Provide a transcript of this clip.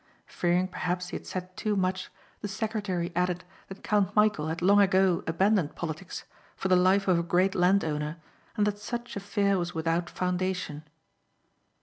Fearing perhaps he had said too much the secretary added that Count Michæl had long ago abandoned politics for the life of a great landowner and that such a fear was without foundation.